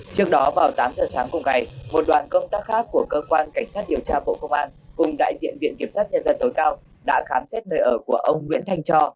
trước đó vào tám giờ sáng cùng ngày một đoàn công tác khác của cơ quan cảnh sát điều tra bộ công an cùng đại diện viện kiểm sát nhân dân tối cao đã khám xét nơi ở của ông nguyễn thanh cho